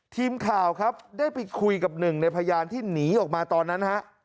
ทีมข่าวครับได้ไปคุยกับหนึ่งในพยานที่หนีออกมาตอนนั้นฮะ